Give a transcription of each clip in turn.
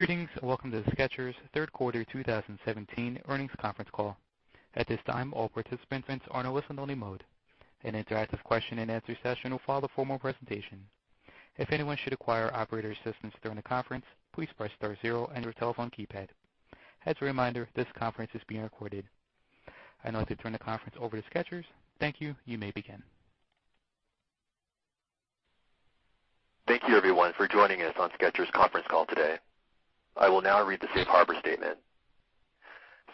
Greetings. Welcome to the Skechers' third quarter 2017 earnings conference call. At this time, all participants are in a listen-only mode. An interactive question and answer session will follow the formal presentation. If anyone should require operator assistance during the conference, please press star zero on your telephone keypad. As a reminder, this conference is being recorded. I'd now like to turn the conference over to Skechers. Thank you. You may begin. Thank you everyone for joining us on Skechers conference call today. I will now read the safe harbor statement.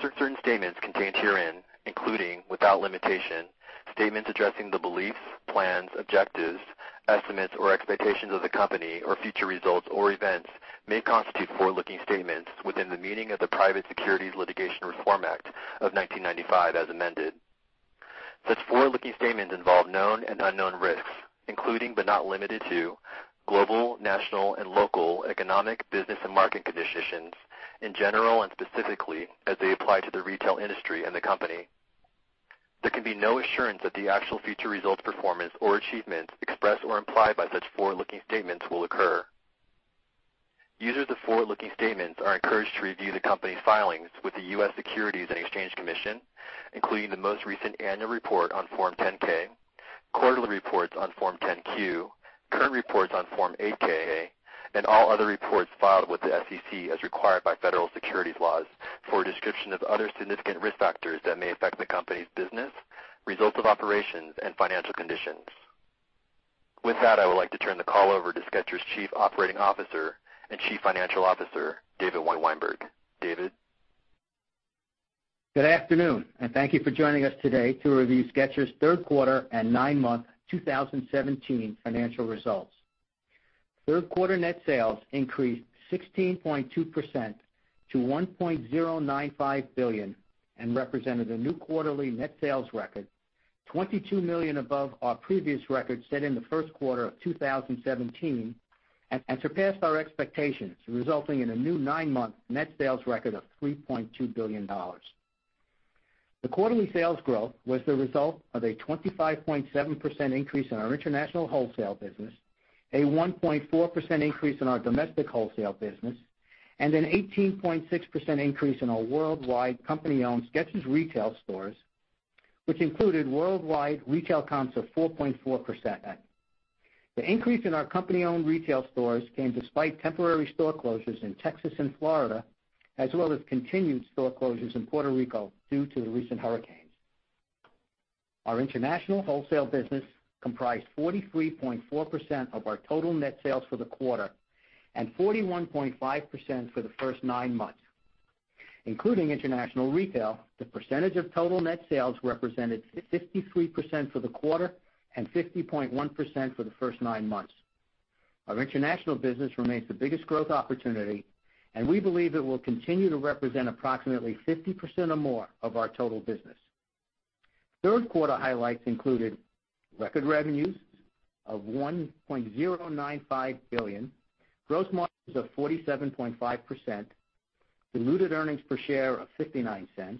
Certain statements contained herein, including, without limitation, statements addressing the beliefs, plans, objectives, estimates, or expectations of the company or future results or events may constitute forward-looking statements within the meaning of the Private Securities Litigation Reform Act of 1995 as amended. Such forward-looking statements involve known and unknown risks, including but not limited to global, national, and local economic business and market conditions in general and specifically as they apply to the retail industry and the company. There can be no assurance that the actual future results, performance, or achievements expressed or implied by such forward-looking statements will occur. Users of forward-looking statements are encouraged to review the company's filings with the U.S. Securities and Exchange Commission, including the most recent annual report on Form 10-K, quarterly reports on Form 10-Q, current reports on Form 8-K, and all other reports filed with the SEC as required by federal securities laws for a description of other significant risk factors that may affect the company's business, results of operations, and financial conditions. With that, I would like to turn the call over to Skechers' Chief Operating Officer and Chief Financial Officer, David Weinberg. David? Good afternoon. Thank you for joining us today to review Skechers' third quarter and nine-month 2017 financial results. Third quarter net sales increased 16.2% to $1.095 billion and represented a new quarterly net sales record, $22 million above our previous record set in the first quarter of 2017, and surpassed our expectations, resulting in a new nine-month net sales record of $3.2 billion. The quarterly sales growth was the result of a 25.7% increase in our international wholesale business, a 1.4% increase in our domestic wholesale business, and an 18.6% increase in our worldwide company-owned Skechers retail stores, which included worldwide retail comps of 4.4%. The increase in our company-owned retail stores came despite temporary store closures in Texas and Florida, as well as continued store closures in Puerto Rico due to the recent hurricanes. Our international wholesale business comprised 43.4% of our total net sales for the quarter and 41.5% for the first nine months. Including international retail, the percentage of total net sales represented 53% for the quarter and 50.1% for the first nine months. Our international business remains the biggest growth opportunity, and we believe it will continue to represent approximately 50% or more of our total business. Third quarter highlights included record revenues of $1.095 billion, gross margins of 47.5%, diluted earnings per share of $0.59,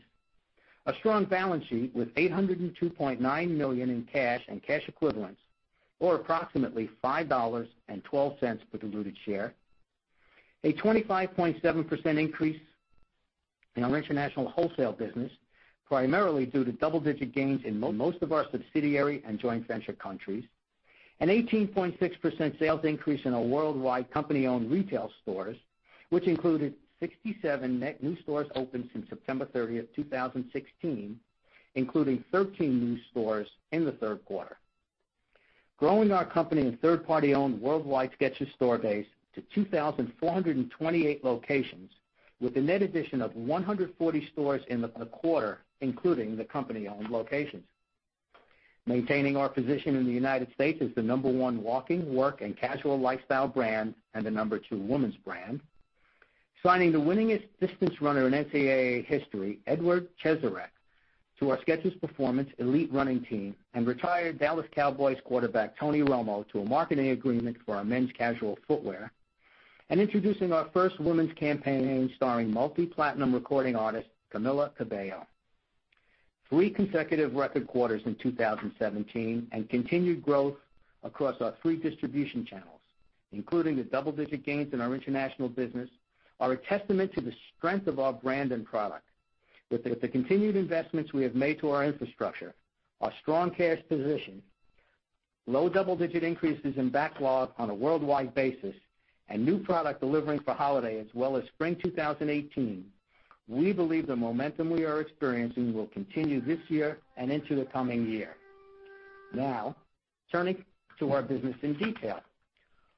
a strong balance sheet with $802.9 million in cash and cash equivalents, or approximately $5.12 per diluted share. A 25.7% increase in our international wholesale business, primarily due to double-digit gains in most of our subsidiary and joint venture countries. An 18.6% sales increase in our worldwide company-owned retail stores, which included 67 net new stores opened since September 30th, 2016, including 13 new stores in the third quarter. Growing our company and third-party owned worldwide Skechers store base to 2,428 locations with a net addition of 140 stores in the quarter, including the company-owned locations. Maintaining our position in the U.S. as the number one walking, work, and casual lifestyle brand and the number two women's brand. Signing the winningest distance runner in NCAA history, Edward Cheserek, to our Skechers Performance elite running team, and retired Dallas Cowboys quarterback Tony Romo to a marketing agreement for our men's casual footwear. Introducing our first women's campaign starring multi-platinum recording artist, Camila Cabello. Three consecutive record quarters in 2017 and continued growth across our three distribution channels, including the double-digit gains in our international business, are a testament to the strength of our brand and product. With the continued investments we have made to our infrastructure, our strong cash position, low double-digit increases in backlog on a worldwide basis, and new product delivering for holiday as well as spring 2018, we believe the momentum we are experiencing will continue this year and into the coming year. Turning to our business in detail.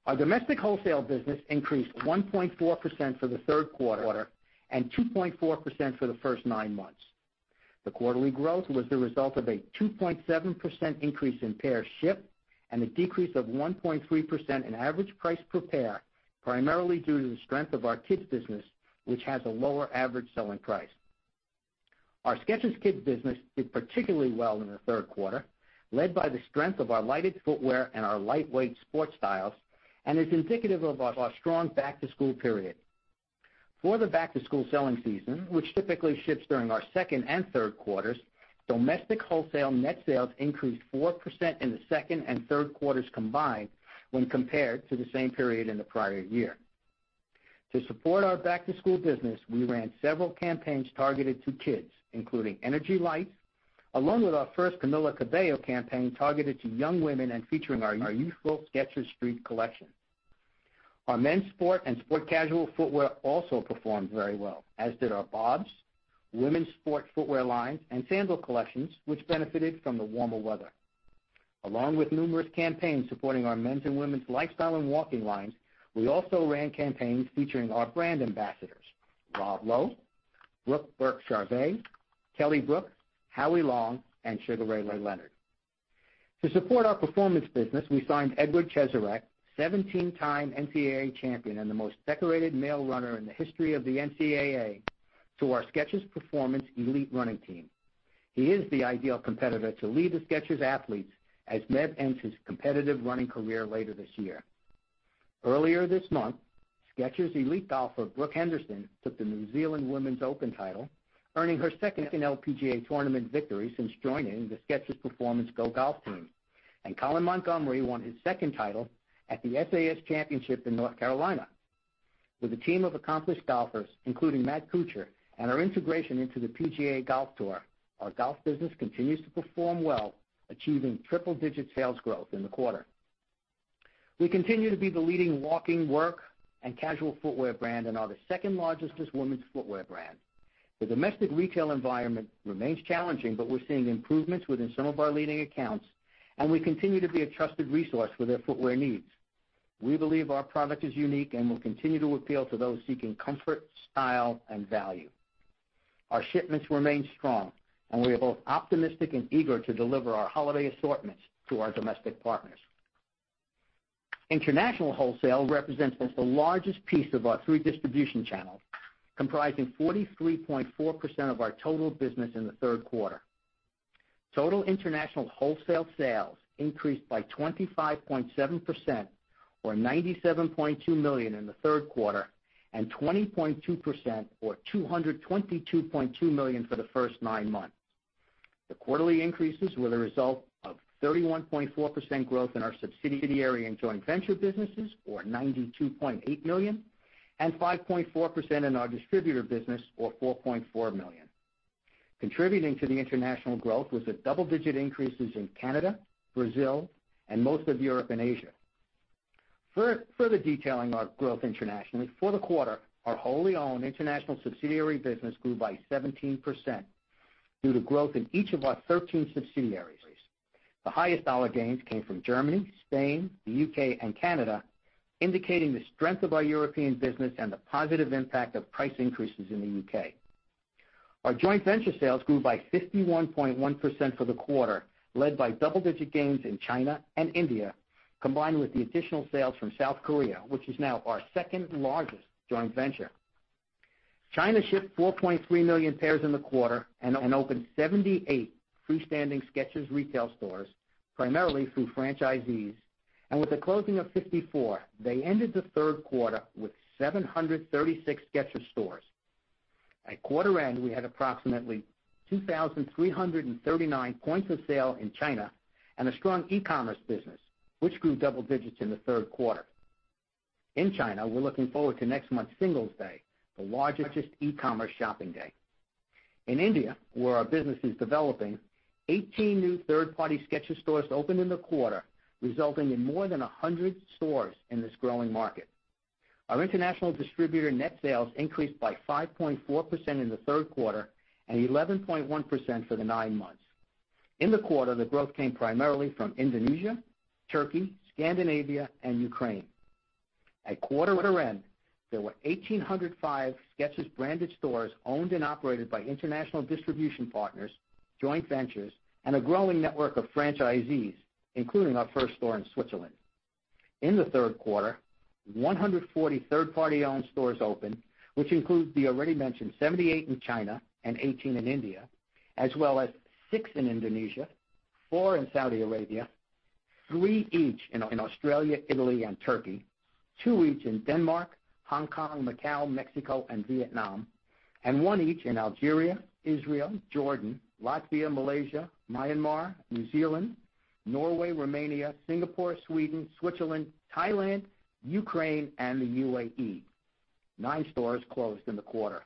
Our domestic wholesale business increased 1.4% for the third quarter and 2.4% for the first nine months. The quarterly growth was the result of a 2.7% increase in pairs shipped and a decrease of 1.3% in average price per pair, primarily due to the strength of our Skechers Kids business, which has a lower average selling price. Our Skechers Kids business did particularly well in the third quarter, led by the strength of our lighted footwear and our lightweight sports styles, and is indicative of our strong back-to-school period. For the back-to-school selling season, which typically ships during our second and third quarters, domestic wholesale net sales increased 4% in the second and third quarters combined when compared to the same period in the prior year. To support our back-to-school business, we ran several campaigns targeted to Skechers Kids, including Energy Lights, along with our first Camila Cabello campaign targeted to young women and featuring our youthful Skechers Street collection. Our men's sport and sport casual footwear also performed very well, as did our BOBS women's sport footwear line and sandal collections, which benefited from the warmer weather. Along with numerous campaigns supporting our men's and women's lifestyle and walking lines, we also ran campaigns featuring our brand ambassadors Rob Lowe, Brooke Burke-Charvet, Kelly Brook, Howie Long, and Sugar Ray Leonard. To support our performance business, we signed Edward Cheserek, 17-time NCAA champion and the most decorated male runner in the history of the NCAA, to our Skechers Performance elite running team. He is the ideal competitor to lead the Skechers athletes as Meb ends his competitive running career later this year. Earlier this month, Skechers elite golfer Brooke Henderson took the New Zealand Women's Open title, earning her second LPGA tournament victory since joining the Skechers Performance GO GOLF team. Colin Montgomerie won his second title at the SAS Championship in North Carolina. With a team of accomplished golfers, including Matt Kuchar, and our integration into the PGA Tour, our golf business continues to perform well, achieving triple-digit sales growth in the quarter. We continue to be the leading walking, work, and casual footwear brand and are the second largest women's footwear brand. The domestic retail environment remains challenging, but we are seeing improvements within some of our leading accounts, and we continue to be a trusted resource for their footwear needs. We believe our product is unique and will continue to appeal to those seeking comfort, style, and value. Our shipments remain strong, and we are both optimistic and eager to deliver our holiday assortments to our domestic partners. International wholesale represents the largest piece of our three distribution channels, comprising 43.4% of our total business in the third quarter. Total international wholesale sales increased by 25.7%, or $97.2 million in the third quarter, and 20.2%, or $222.2 million for the first nine months. The quarterly increases were the result of 31.4% growth in our subsidiary and joint venture businesses, or $92.8 million, and 5.4% in our distributor business, or $4.4 million. Contributing to the international growth was the double-digit increases in Canada, Brazil, and most of Europe and Asia. Further detailing our growth internationally, for the quarter, our wholly-owned international subsidiary business grew by 17% due to growth in each of our 13 subsidiaries. The highest dollar gains came from Germany, Spain, the U.K., and Canada, indicating the strength of our European business and the positive impact of price increases in the U.K. Our joint venture sales grew by 51.1% for the quarter, led by double-digit gains in China and India, combined with the additional sales from South Korea, which is now our second-largest joint venture. China shipped 4.3 million pairs in the quarter and opened 78 freestanding Skechers retail stores, primarily through franchisees. With the closing of 54, they ended the third quarter with 736 Skechers stores. At quarter end, we had approximately 2,339 points of sale in China and a strong e-commerce business, which grew double digits in the third quarter. In China, we are looking forward to next month's Singles Day, the largest e-commerce shopping day. In India, where our business is developing, 18 new third-party Skechers stores opened in the quarter, resulting in more than 100 stores in this growing market. Our international distributor net sales increased by 5.4% in the third quarter and 11.1% for the nine months. In the quarter, the growth came primarily from Indonesia, Turkey, Scandinavia, and Ukraine. At quarter end, there were 1,805 Skechers-branded stores owned and operated by international distribution partners, joint ventures, and a growing network of franchisees, including our first store in Switzerland. In the third quarter, 140 third-party owned stores opened, which includes the already mentioned 78 in China and 18 in India, as well as six in Indonesia, four in Saudi Arabia, three each in Australia, Italy, and Turkey, two each in Denmark, Hong Kong, Macau, Mexico, and Vietnam, and one each in Algeria, Israel, Jordan, Latvia, Malaysia, Myanmar, New Zealand, Norway, Romania, Singapore, Sweden, Switzerland, Thailand, Ukraine, and the UAE. Nine stores closed in the quarter.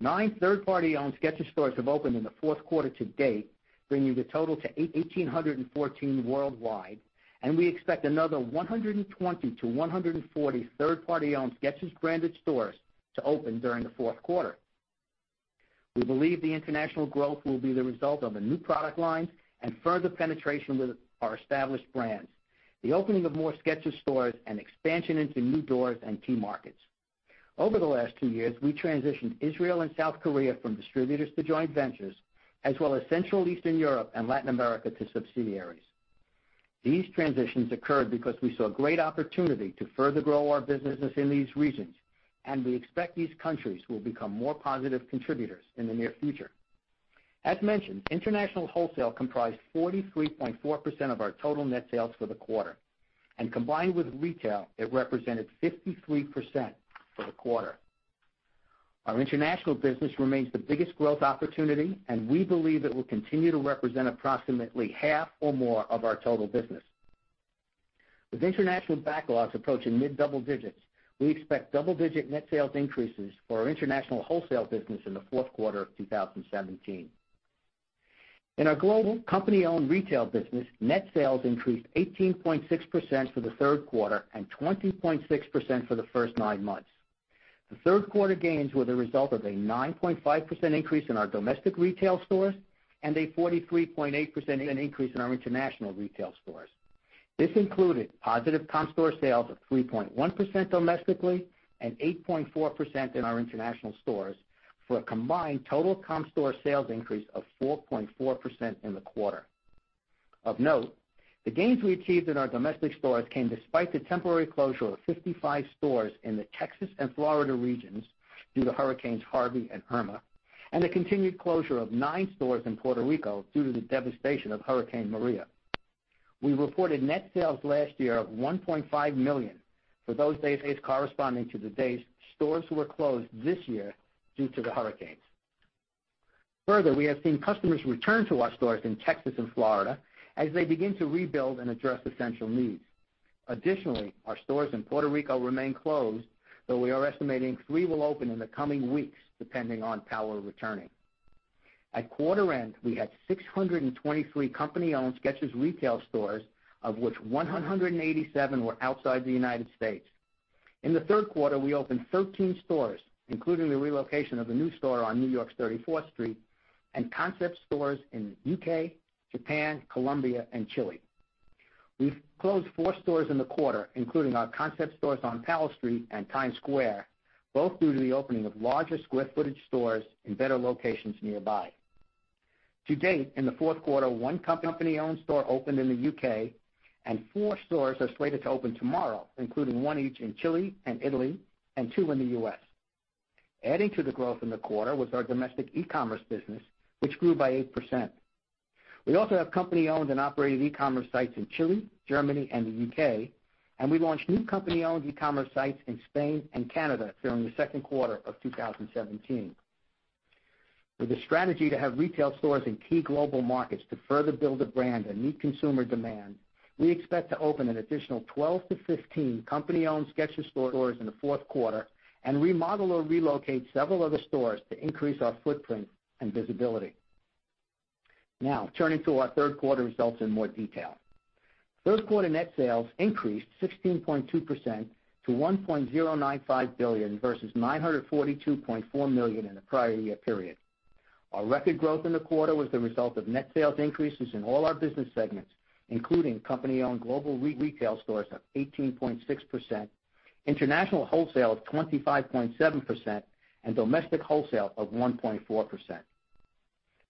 Nine third-party owned Skechers stores have opened in the fourth quarter to date, bringing the total to 1,814 worldwide, and we expect another 120 to 140 third-party owned Skechers-branded stores to open during the fourth quarter. We believe the international growth will be the result of new product lines and further penetration with our established brands, the opening of more Skechers stores, and expansion into new doors and key markets. Over the last two years, we transitioned Israel and South Korea from distributors to joint ventures, as well as Central Eastern Europe and Latin America to subsidiaries. These transitions occurred because we saw great opportunity to further grow our businesses in these regions, and we expect these countries will become more positive contributors in the near future. As mentioned, international wholesale comprised 43.4% of our total net sales for the quarter, and combined with retail, it represented 53% for the quarter. Our international business remains the biggest growth opportunity, and we believe it will continue to represent approximately half or more of our total business. With international backlogs approaching mid-double digits, we expect double-digit net sales increases for our international wholesale business in the fourth quarter of 2017. In our global company-owned retail business, net sales increased 18.6% for the third quarter and 20.6% for the first nine months. The third quarter gains were the result of a 9.5% increase in our domestic retail stores and a 43.8% increase in our international retail stores. This included positive comp store sales of 3.1% domestically and 8.4% in our international stores for a combined total comp store sales increase of 4.4% in the quarter. Of note, the gains we achieved in our domestic stores came despite the temporary closure of 55 stores in the Texas and Florida regions due to Hurricane Harvey and Hurricane Irma, and the continued closure of nine stores in Puerto Rico due to the devastation of Hurricane Maria. We reported net sales last year of $1.5 million for those days corresponding to the days stores were closed this year due to the hurricanes. Further, we have seen customers return to our stores in Texas and Florida as they begin to rebuild and address essential needs. Additionally, our stores in Puerto Rico remain closed, though we are estimating three will open in the coming weeks, depending on power returning. At quarter end, we had 623 company-owned Skechers retail stores, of which 187 were outside the United States. In the third quarter, we opened 13 stores, including the relocation of a new store on New York's 34th Street, and concept stores in the U.K., Japan, Colombia, and Chile. We closed four stores in the quarter, including our concept stores on Powell Street and Times Square, both due to the opening of larger square footage stores in better locations nearby. To date, in the fourth quarter, one company-owned store opened in the U.K. and four stores are slated to open tomorrow, including one each in Chile and Italy, and two in the U.S. Adding to the growth in the quarter was our domestic e-commerce business, which grew by 8%. We also have company-owned and operated e-commerce sites in Chile, Germany, and the U.K., and we launched new company-owned e-commerce sites in Spain and Canada during the second quarter of 2017. With a strategy to have retail stores in key global markets to further build a brand and meet consumer demand, we expect to open an additional 12 to 15 company-owned Skechers stores in the fourth quarter and remodel or relocate several other stores to increase our footprint and visibility. Turning to our third quarter results in more detail. Third quarter net sales increased 16.2% to $1.095 billion versus $942.4 million in the prior year period. Our record growth in the quarter was the result of net sales increases in all our business segments, including company-owned global retail stores of 18.6%, international wholesale of 25.7%, and domestic wholesale of 1.4%.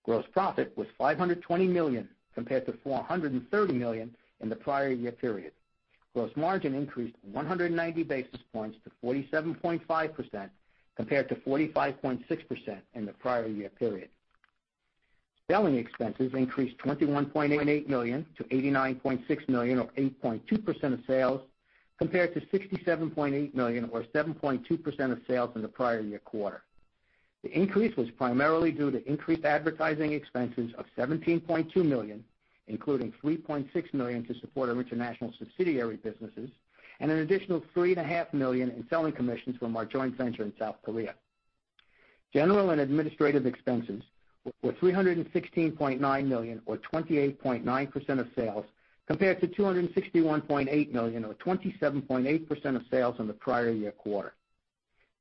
Gross profit was $520 million, compared to $430 million in the prior year period. Gross margin increased 190 basis points to 47.5%, compared to 45.6% in the prior year period. Selling expenses increased $21.88 million to $89.6 million, or 8.2% of sales, compared to $67.8 million or 7.2% of sales in the prior year quarter. The increase was primarily due to increased advertising expenses of $17.2 million, including $3.6 million to support our international subsidiary businesses, and an additional $3.5 million in selling commissions from our joint venture in South Korea. General and administrative expenses were $316.9 million or 28.9% of sales, compared to $261.8 million or 27.8% of sales in the prior year quarter.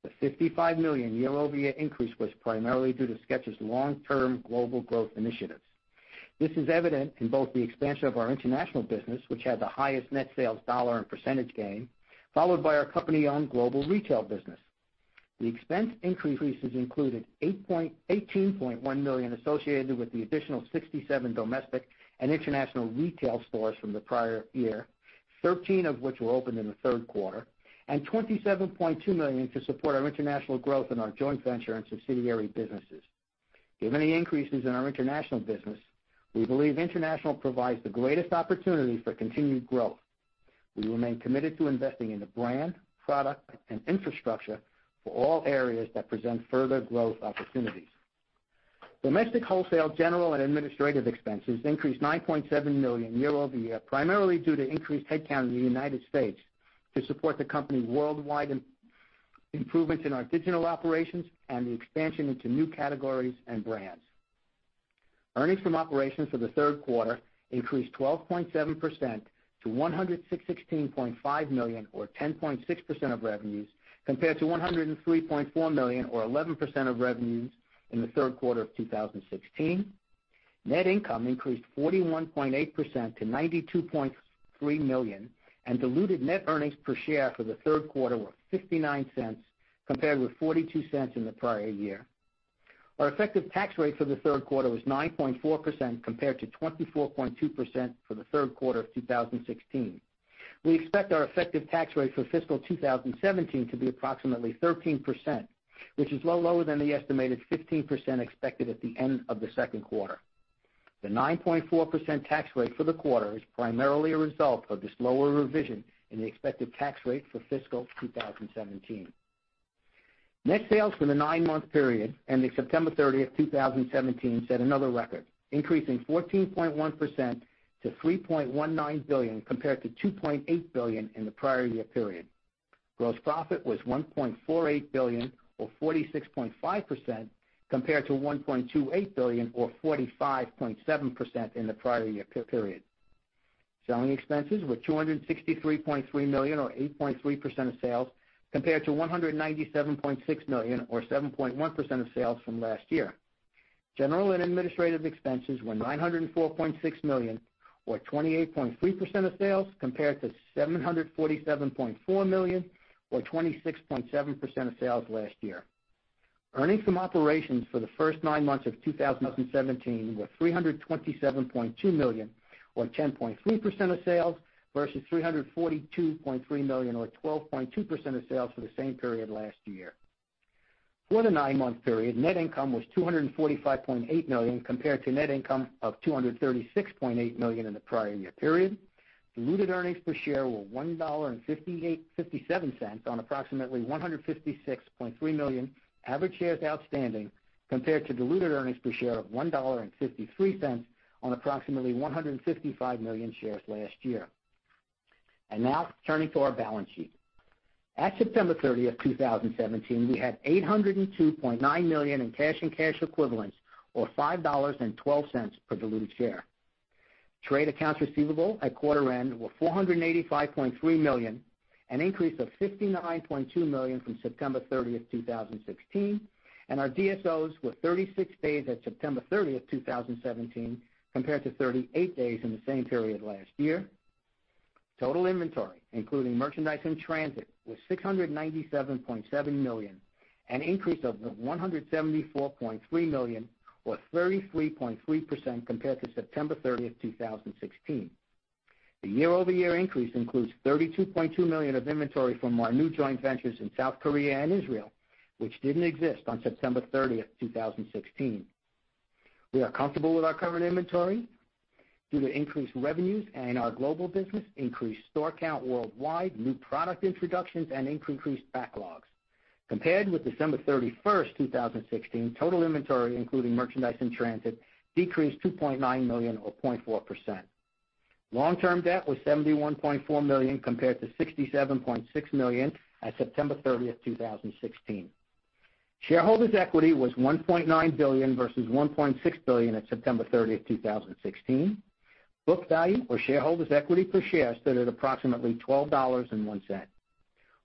The $55 million year-over-year increase was primarily due to Skechers' long-term global growth initiatives. This is evident in both the expansion of our international business, which had the highest net sales dollar and percentage gain, followed by our company-owned global retail business. The expense increases included $18.1 million associated with the additional 67 domestic and international retail stores from the prior year, 13 of which were opened in the third quarter, and $27.2 million to support our international growth in our joint venture and subsidiary businesses. Given the increases in our international business, we believe international provides the greatest opportunity for continued growth. We remain committed to investing in the brand, product, and infrastructure for all areas that present further growth opportunities. Domestic wholesale general and administrative expenses increased $9.7 million year-over-year, primarily due to increased headcount in the United States to support the company worldwide improvements in our digital operations and the expansion into new categories and brands. Earnings from operations for the third quarter increased 12.7% to $116.5 million or 10.6% of revenues, compared to $103.4 million or 11% of revenues in the third quarter of 2016. Net income increased 41.8% to $92.3 million, diluted net earnings per share for the third quarter were $0.59, compared with $0.42 in the prior year. Our effective tax rate for the third quarter was 9.4%, compared to 24.2% for the third quarter of 2016. We expect our effective tax rate for fiscal 2017 to be approximately 13%, which is lower than the estimated 15% expected at the end of the second quarter. The 9.4% tax rate for the quarter is primarily a result of this lower revision in the expected tax rate for fiscal 2017. Net sales for the nine-month period ending September 30th, 2017, set another record, increasing 14.1% to $3.19 billion, compared to $2.8 billion in the prior year period. Gross profit was $1.48 billion or 46.5%, compared to $1.28 billion or 45.7% in the prior year period. Selling expenses were $263.3 million or 8.3% of sales, compared to $197.6 million or 7.1% of sales from last year. General and administrative expenses were $904.6 million or 28.3% of sales, compared to $747.4 million or 26.7% of sales last year. Earnings from operations for the first nine months of 2017 were $327.2 million or 10.3% of sales, versus $342.3 million or 12.2% of sales for the same period last year. For the nine-month period, net income was $245.8 million, compared to net income of $236.8 million in the prior year period. Diluted earnings per share were $1.57 on approximately 156.3 million average shares outstanding, compared to diluted earnings per share of $1.53 on approximately 155 million shares last year. Now turning to our balance sheet. At September 30th, 2017, we had $802.9 million in cash and cash equivalents or $5.12 per diluted share. Trade accounts receivable at quarter end were $485.3 million, an increase of $59.2 million from September 30th, 2016, our DSOs were 36 days at September 30th, 2017, compared to 38 days in the same period last year. Total inventory, including merchandise in transit, was $697.7 million, an increase of $174.3 million or 33.3% compared to September 30th, 2016. The year-over-year increase includes $32.2 million of inventory from our new joint ventures in South Korea and Israel, which didn't exist on September 30th, 2016. We are comfortable with our current inventory due to increased revenues and our global business, increased store count worldwide, new product introductions, and increased backlogs. Compared with December 31st, 2016, total inventory, including merchandise in transit, decreased $2.9 million or 0.4%. Long-term debt was $71.4 million compared to $67.6 million at September 30th, 2016. Shareholders' equity was $1.9 billion versus $1.6 billion at September 30th, 2016. Book value or shareholders' equity per share stood at approximately $12.01.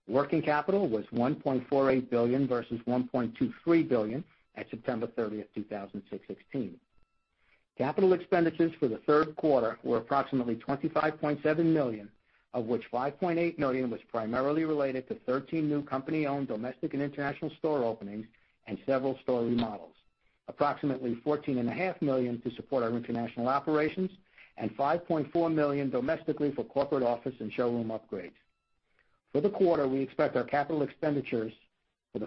Working capital was $1.48 billion versus $1.23 billion at September 30th, 2016. Capital expenditures for the third quarter were approximately $25.7 million, of which $5.8 million was primarily related to 13 new company-owned domestic and international store openings and several store remodels. Approximately $14.5 million to support our international operations and $5.4 million domestically for corporate office and showroom upgrades. For the fourth quarter, we expect our capital expenditures to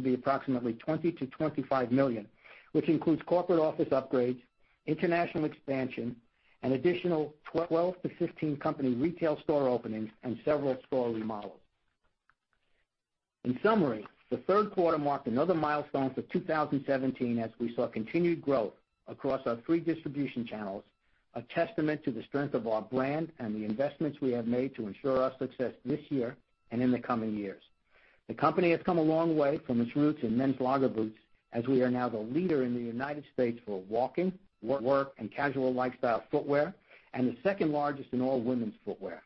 be approximately $20 million-$25 million, which includes corporate office upgrades, international expansion, an additional 12-15 company retail store openings, and several store remodels. In summary, the third quarter marked another milestone for 2017 as we saw continued growth across our three distribution channels, a testament to the strength of our brand and the investments we have made to ensure our success this year and in the coming years. The company has come a long way from its roots in men's logger boots, as we are now the leader in the U.S. for walking, work, and casual lifestyle footwear, and the second largest in all women's footwear.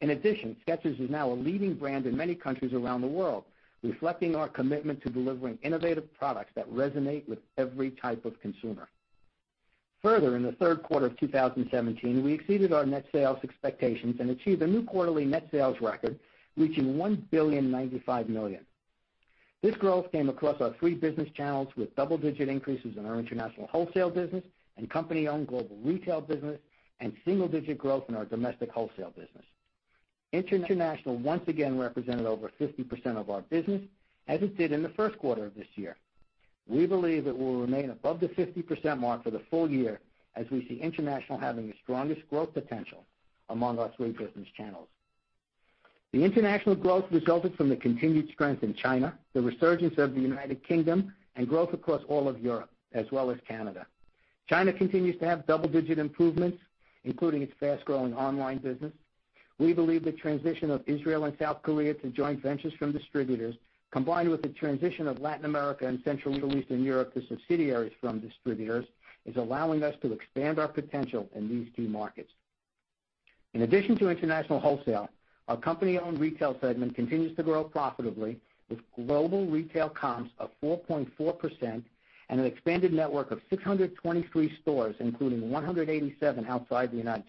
In addition, Skechers is now a leading brand in many countries around the world, reflecting our commitment to delivering innovative products that resonate with every type of consumer. Further, in the third quarter of 2017, we exceeded our net sales expectations and achieved a new quarterly net sales record, reaching $1.095 billion. This growth came across our three business channels with double-digit increases in our international wholesale business and company-owned global retail business and single-digit growth in our domestic wholesale business. International once again represented over 50% of our business as it did in the first quarter of this year. We believe it will remain above the 50% mark for the full year as we see international having the strongest growth potential among our three business channels. The international growth resulted from the continued strength in China, the resurgence of the U.K., and growth across all of Europe, as well as Canada. China continues to have double-digit improvements, including its fast-growing online business. We believe the transition of Israel and South Korea to joint ventures from distributors, combined with the transition of Latin America and Central and Eastern Europe to subsidiaries from distributors, is allowing us to expand our potential in these two markets. In addition to international wholesale, our company-owned retail segment continues to grow profitably with global retail comps of 4.4% and an expanded network of 623 stores, including 187 outside the U.S.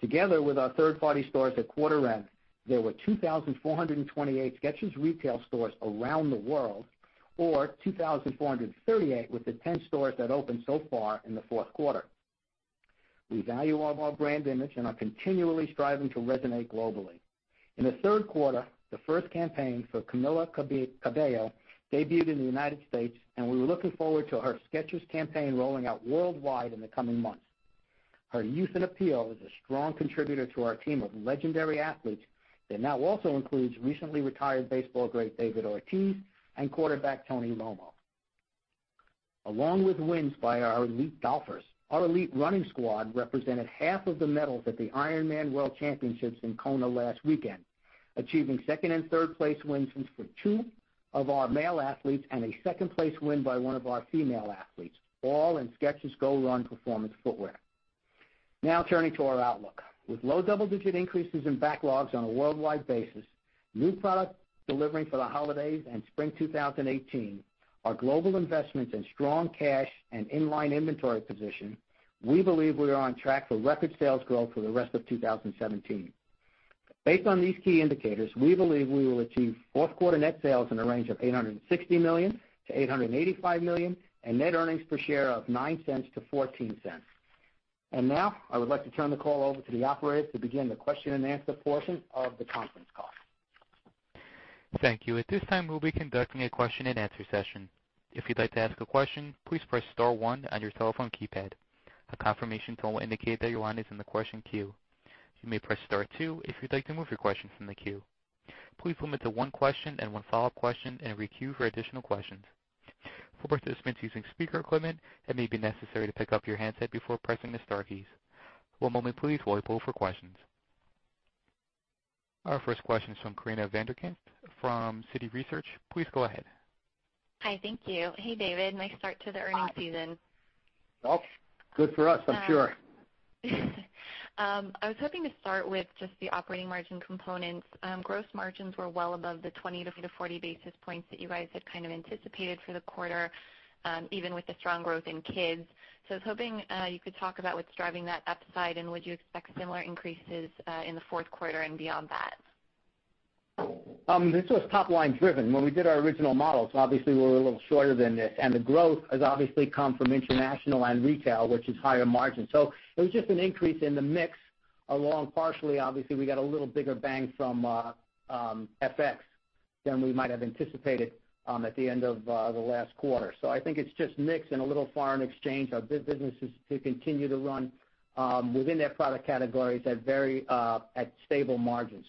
Together with our third-party stores at quarter end, there were 2,428 Skechers retail stores around the world, or 2,438 with the 10 stores that opened so far in the fourth quarter. We value our brand image and are continually striving to resonate globally. In the third quarter, the first campaign for Camila Cabello debuted in the U.S., and we're looking forward to her Skechers campaign rolling out worldwide in the coming months. Her youth and appeal is a strong contributor to our team of legendary athletes that now also includes recently retired baseball great David Ortiz and quarterback Tony Romo. Along with wins by our elite golfers, our elite running squad represented half of the medals at the Ironman World Championship in Kona last weekend, achieving second and third place wins for two of our male athletes and a second-place win by one of our female athletes, all in Skechers GOrun performance footwear. Now turning to our outlook. With low double-digit increases in backlogs on a worldwide basis, new product delivery for the holidays and spring 2018, our global investments in strong cash and in-line inventory position, we believe we are on track for record sales growth for the rest of 2017. Based on these key indicators, we believe we will achieve fourth quarter net sales in a range of $860 million-$885 million and net earnings per share of $0.09-$0.14. Now, I would like to turn the call over to the operator to begin the question-and-answer portion of the conference call. Thank you. At this time, we'll be conducting a question-and-answer session. If you'd like to ask a question, please press * one on your telephone keypad. A confirmation tone will indicate that your line is in the question queue. You may press * two if you'd like to move your question from the queue. Please limit to one question and one follow-up question and re-queue for additional questions. For participants using speaker equipment, it may be necessary to pick up your handset before pressing the star keys. One moment please while we poll for questions. Our first question is from Corinna van der Ghinst from Citi Research. Please go ahead. Hi, thank you. Hey, David. Nice start to the earnings season. Good for us, I'm sure. I was hoping to start with just the operating margin components. Gross margins were well above the 20 to 40 basis points that you guys had kind of anticipated for the quarter, even with the strong growth in kids. I was hoping you could talk about what's driving that upside, and would you expect similar increases in the fourth quarter and beyond that? This was top-line driven. When we did our original models, obviously we were a little shorter than this, the growth has obviously come from international and retail, which is higher margin. It was just an increase in the mix along partially, obviously, we got a little bigger bang from FX than we might have anticipated at the end of the last quarter. I think it's just mix and a little foreign exchange. Our businesses continue to run within their product categories at stable margins.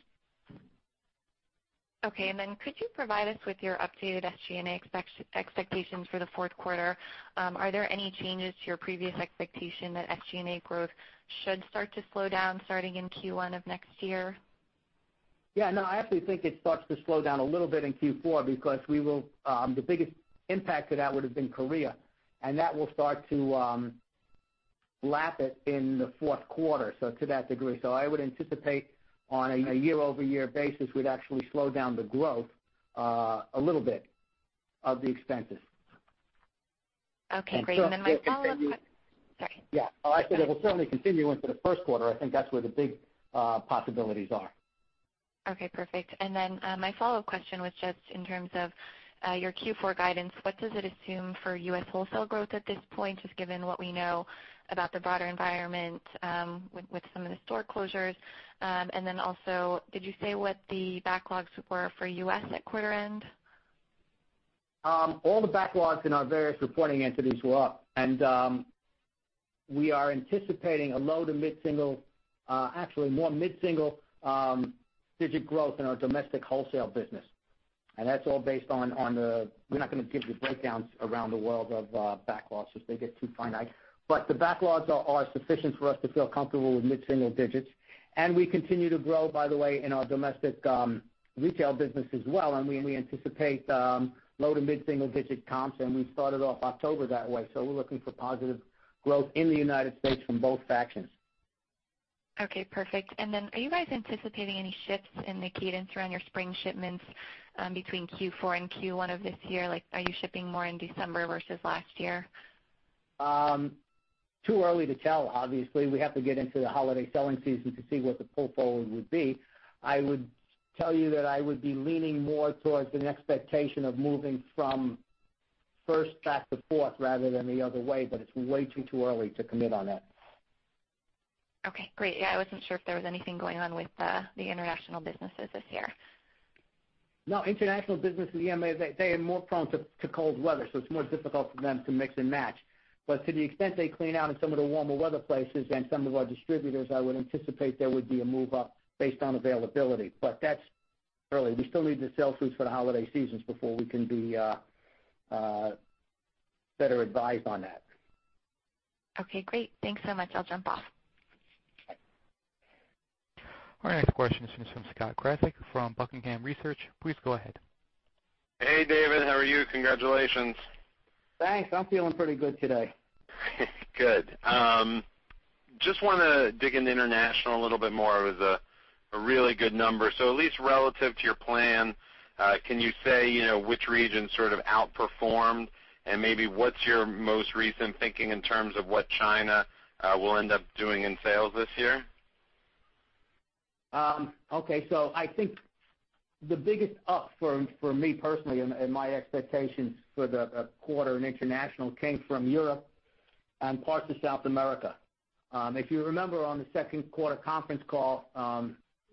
Okay, could you provide us with your updated SG&A expectations for the fourth quarter? Are there any changes to your previous expectation that SG&A growth should start to slow down starting in Q1 of next year? Yeah, no, I actually think it starts to slow down a little bit in Q4 because the biggest impact to that would've been Korea, that will start to lap it in the fourth quarter, so to that degree. I would anticipate on a year-over-year basis, we'd actually slow down the growth a little bit of the expenses. Okay, great. Then my follow-up- So it will continue- Sorry. Yeah. I said it'll certainly continue into the first quarter. I think that's where the big possibilities are. Okay, perfect. Then, my follow-up question was just in terms of your Q4 guidance. What does it assume for U.S. wholesale growth at this point, just given what we know about the broader environment, with some of the store closures? Then also, did you say what the backlogs were for U.S. at quarter end? All the backlogs in our various reporting entities were up. We are anticipating a low to mid-single, actually more mid-single digit growth in our domestic wholesale business. We're not going to give you breakdowns around the world of backlogs. They get too finite. The backlogs are sufficient for us to feel comfortable with mid-single digits. We continue to grow, by the way, in our domestic retail business as well, and we anticipate low to mid-single digit comps, and we started off October that way. We're looking for positive growth in the U.S. from both factions. Okay, perfect. Are you guys anticipating any shifts in the cadence around your spring shipments between Q4 and Q1 of this year? Are you shipping more in December versus last year? Too early to tell, obviously. We have to get into the holiday selling season to see what the pull-forward would be. I would tell you that I would be leaning more towards an expectation of moving from first back to fourth rather than the other way, but it's way too early to commit on that. Okay, great. Yeah, I wasn't sure if there was anything going on with the international businesses this year. International business, EMEA, they are more prone to cold weather, it's more difficult for them to mix and match. To the extent they clean out in some of the warmer weather places and some of our distributors, I would anticipate there would be a move up based on availability. That's early. We still need to sell through for the holiday seasons before we can be better advised on that. Okay, great. Thanks so much. I'll jump off. Our next question is from Scott Craig from Buckingham Research. Please go ahead. Hey, David. How are you? Congratulations. Thanks. I'm feeling pretty good today. Good. Just want to dig into international a little bit more. It was a really good number. At least relative to your plan, can you say which region sort of outperformed and maybe what's your most recent thinking in terms of what China will end up doing in sales this year? I think the biggest up for me personally and my expectations for the quarter in international came from Europe and parts of South America. If you remember, on the second quarter conference call,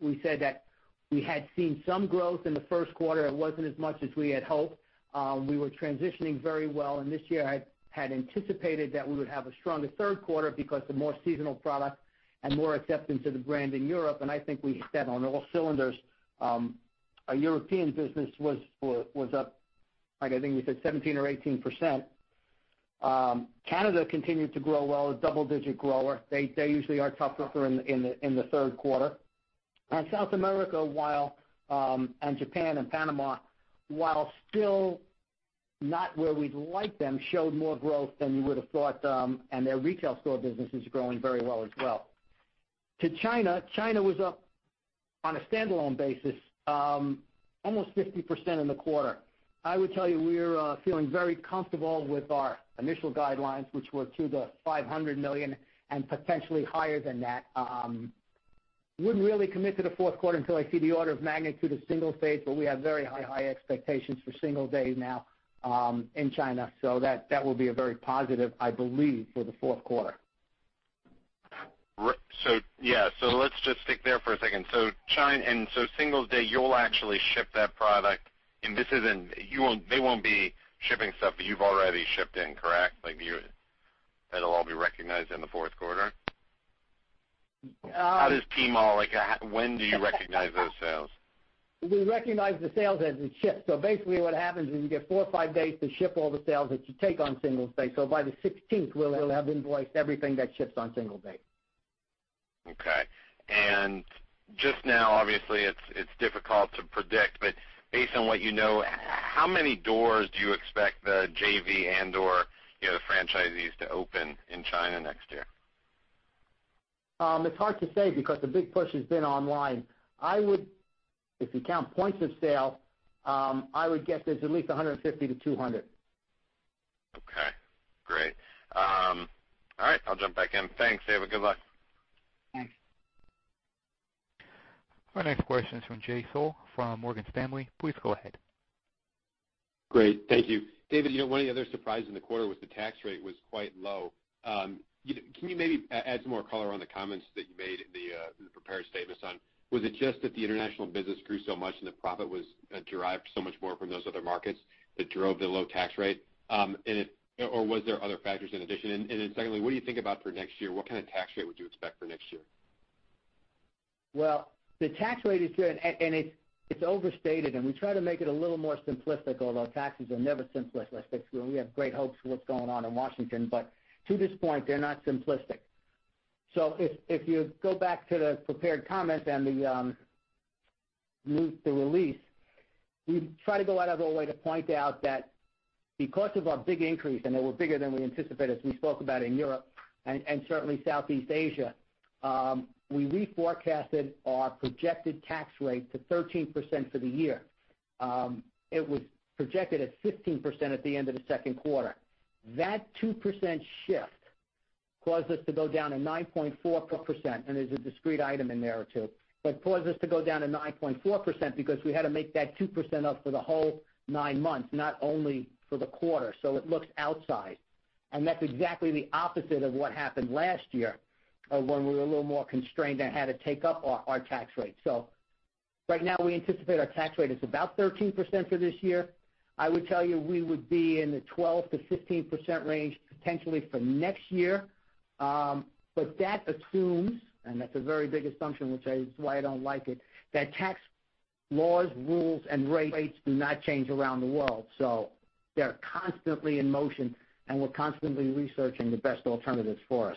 we said that we had seen some growth in the first quarter. It wasn't as much as we had hoped. We were transitioning very well. This year I had anticipated that we would have a stronger third quarter because of more seasonal products and more acceptance of the brand in Europe, I think we hit that on all cylinders. Our European business was up, I think we said 17% or 18%. Canada continued to grow well, a double-digit grower. They usually are tougher in the third quarter. South America, Japan and Panama, while still not where we'd like them, showed more growth than you would have thought, and their retail store business is growing very well as well. To China was up on a standalone basis, almost 50% in the quarter. I would tell you, we're feeling very comfortable with our initial guidelines, which were to the $500 million and potentially higher than that. Wouldn't really commit to the fourth quarter until I see the order of magnitude of Singles Day, but we have very high expectations for Singles Day now in China. That will be very positive, I believe, for the fourth quarter. Yeah. Let's just stick there for a second. China, Singles Day, you'll actually ship that product, and they won't be shipping stuff that you've already shipped in, correct? That'll all be recognized in the fourth quarter? Uh- When do you recognize those sales? We recognize the sales as it ships. Basically what happens is you get four or five days to ship all the sales that you take on Singles Day. By the 16th, we'll have invoiced everything that ships on Singles Day. Okay. Just now, obviously, it's difficult to predict, but based on what you know, how many doors do you expect the JV and/or the franchisees to open in China next year? It's hard to say because the big push has been online. If you count points of sale, I would guess there's at least 150 to 200. Okay, great. All right, I'll jump back in. Thanks, David. Good luck. Thanks. Our next question is from Jay Sole from Morgan Stanley. Please go ahead. Great. Thank you. David, one of the other surprises in the quarter was the tax rate was quite low. Can you maybe add some more color on the comments that you made in the prepared statements on, was it just that the international business grew so much and the profit was derived so much more from those other markets that drove the low tax rate? Was there other factors in addition? Secondly, what do you think about for next year? What kind of tax rate would you expect for next year? Well, the tax rate is good, and it's overstated, and we try to make it a little more simplistic, although taxes are never simplistic. We have great hopes for what's going on in Washington, but to this point, they're not simplistic. If you go back to the prepared comments and the release, we try to go out of our way to point out that because of our big increase, and they were bigger than we anticipated as we spoke about in Europe and certainly Southeast Asia, we reforecasted our projected tax rate to 13% for the year. It was projected at 15% at the end of the second quarter. That 2% shift caused us to go down to 9.4%, and there's a discrete item in there, too. Caused us to go down to 9.4% because we had to make that 2% up for the whole nine months, not only for the quarter. It looks outsized. That's exactly the opposite of what happened last year when we were a little more constrained and had to take up our tax rate. Right now, we anticipate our tax rate is about 13% for this year. I would tell you, we would be in the 12%-15% range potentially for next year. That assumes, and that's a very big assumption, which is why I don't like it, that tax laws, rules, and rates do not change around the world. They're constantly in motion, and we're constantly researching the best alternatives for us.